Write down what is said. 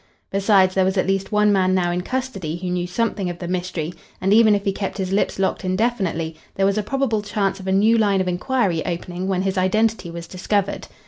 Besides, there was at least one man now in custody who knew something of the mystery, and, even if he kept his lips locked indefinitely, there was a probable chance of a new line of inquiry opening when his identity was discovered.